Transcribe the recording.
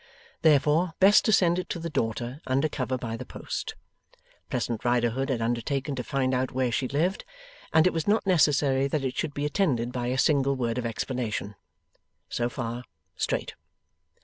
Therefore, best to send it to the daughter under cover by the post. Pleasant Riderhood had undertaken to find out where she lived, and it was not necessary that it should be attended by a single word of explanation. So far, straight.